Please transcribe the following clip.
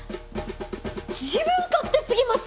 自分勝手すぎます！